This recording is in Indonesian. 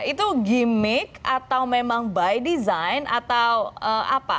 itu gimmick atau memang by design atau apa